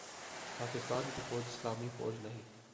پاکستان کی فوج اسلامی فوج نہیں